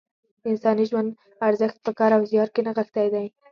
د انساني ژوند ارزښت په کار او زیار کې نغښتی دی.